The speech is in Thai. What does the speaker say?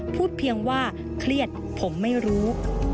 พูดเพียงว่าเครียดผมไม่รู้